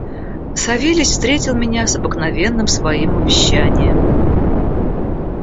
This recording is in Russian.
Савельич встретил меня с обыкновенным своим увещанием.